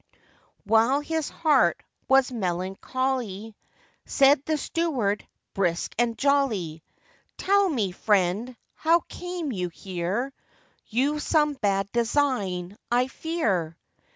While his heart was melancholy, Said the steward, brisk and jolly, 'Tell me, friend, how came you here? You've some bad design, I fear.